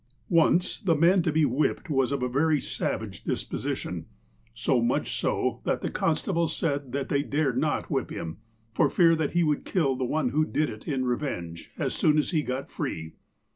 Once the man to be whipped was of a very savage dis 202 lil FROM JUDGE DUNCAN'S DOCKET 203 position, so mucli so, that tlie constables said that they dared not whip him, for fear that he would kill the one who did it in revenge, as soon as he got free.